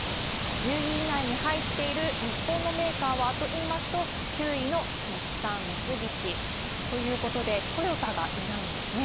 １０位以内に入っている日本のメーカーはといいますと、９位の日産、三菱ということで、トヨタがいないんですね。